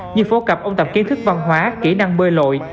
như phố cập ông tập kiến thức văn hóa kỹ năng bơi lội